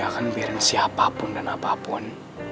gue gak akan biarin siapapun dan apapun